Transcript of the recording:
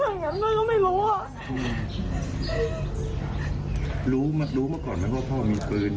ทำไมพ่อผมก็แบบงั้นไม่รู้อ่ะอืมรู้รู้เมื่อก่อนไหมว่าพ่อมีปืนเลยน่ะ